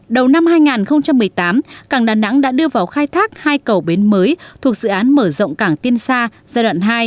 đầu năm hai nghìn một mươi tám cảng đà nẵng đã đưa vào khai thác hai cầu bến mới thuộc dự án mở rộng cảng tiên sa giai đoạn hai